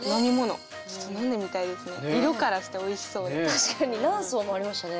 確かに何層もありましたね。